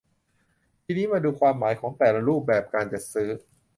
ทีนี้มาดูความหมายของแต่ละรูปแบบการจัดซื้อ